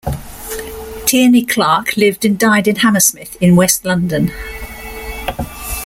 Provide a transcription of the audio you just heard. Tierney Clark lived and died in Hammersmith in west London.